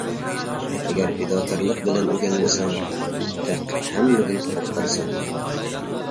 ئەگەر پىداكارلىق بىلەن ئۆگەنمىسەڭ، تەھقىق ھەممىدىن قۇرۇق قالىسەن!